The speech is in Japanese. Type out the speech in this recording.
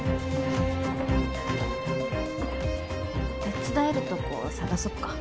手伝えるとこ探そっか。